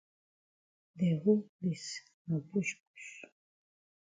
De whole place na bush bush.